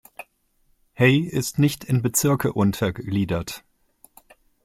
Hay ist nicht in Bezirke untergliedert.